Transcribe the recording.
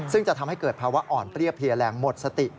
ซึ่งจะทำให้เกิดภาวะอ่อนเปรี้ยเพลียแรงหมดสติ